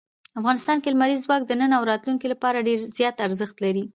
افغانستان کې لمریز ځواک د نن او راتلونکي لپاره ډېر زیات ارزښت لري.